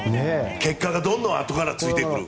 結果がどんどんあとからついてくる。